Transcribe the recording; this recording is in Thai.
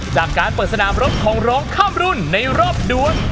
จากการเปิดสนามรบของร้องข้ามรุ่นในรอบด้วน